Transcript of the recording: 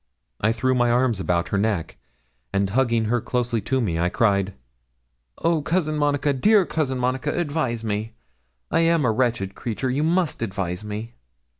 I threw my arms about her neck, and hugging her closely to me, I cried 'Oh, Cousin Monica, dear Cousin Monica, advise me. I am a wretched creature. You must advise me.'